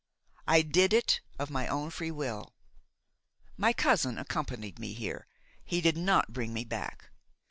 I did it of my own free will. My cousin accompanied me here, he did not bring me back.